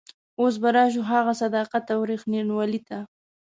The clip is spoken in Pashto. اوس به راشو هغه صداقت او رښتینولي ته.